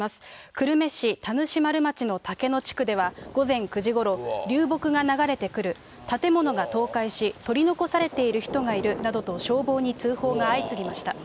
久留米市田主丸町の竹野地区では、午前９時ごろ、流木が流れてくる、建物が倒壊し、取り残されている人がいるなどと、消防に通報が相次ぎました。